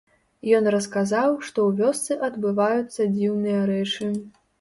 Ён расказаў, што ў вёсцы адбываюцца дзіўныя рэчы.